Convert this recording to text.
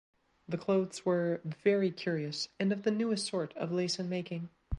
The clothes were "very curious and of the newest sort of lace and making".